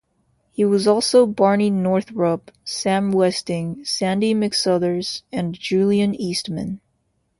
He was also Barney Northrup, Sam Westing, Sandy McSouthers, and Julian Eastman.